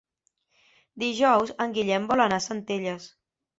Dijous en Guillem vol anar a Centelles.